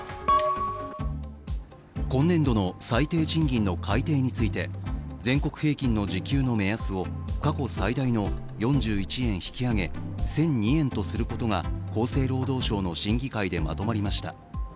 今年度の最低賃金の改定について全国平均の時給の目安を過去最大の４１円引き上げ１００２円とすることが厚生労働省の審議会でまとまりました。